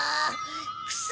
クソ！